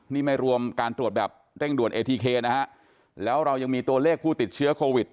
นี่ไม่รวมการตรวจแบบเร่งด่วนเอทีเคนะฮะแล้วเรายังมีตัวเลขผู้ติดเชื้อโควิด